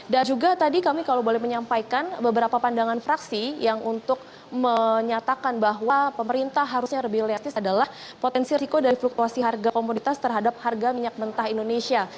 dan juga tadi kami kalau boleh menyampaikan beberapa pandangan fraksi yang untuk menyatakan bahwa pemerintah harusnya lebih relatif adalah potensi risiko dari fluktuasi harga komoditas terhadap harga minyak mentah indonesia